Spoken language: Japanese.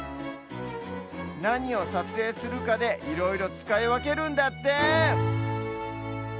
なにをさつえいするかでいろいろつかいわけるんだって！